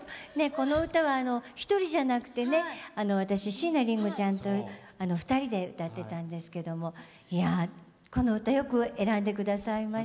この歌は一人じゃなくて私、椎名林檎ちゃんと２人で歌ってたんですけどもこの歌よく選んでくださいました。